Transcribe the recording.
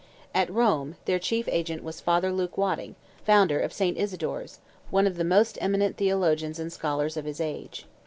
At Rome, their chief agent was Father Luke Wadding, founder of Saint Isidore's, one of the most eminent theologians and scholars of his age.